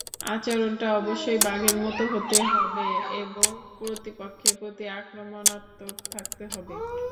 আচরণটা অবশ্যই বাঘের মতো হতে হবে এবং প্রতিপক্ষের প্রতি-আক্রমণাত্মক থাকতে হবে।